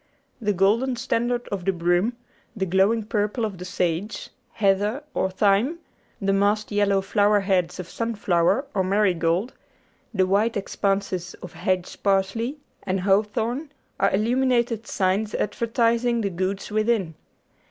The golden standard of the broom, the glowing purple of the sage, heather, or thyme, the massed yellow flower heads of sunflower or marigold, the white expanses of hedge parsley and hawthorn, are illuminated signs advertising the goods within.